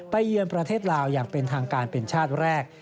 เยือนประเทศลาวอย่างเป็นทางการเป็นชาติแรก